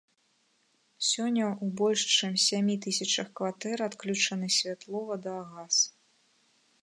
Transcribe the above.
Сёння ў больш чым сямі тысячах кватэр адключаны святло, вада, газ.